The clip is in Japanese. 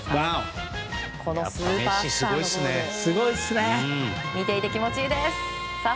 スーパースターのゴール見ていて気持ちいいです！